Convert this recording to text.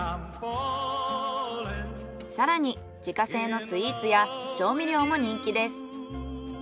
更に自家製のスイーツや調味料も人気です。